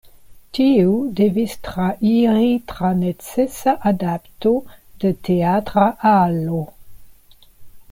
Tiu devis trairi tra necesa adapto de teatra alo.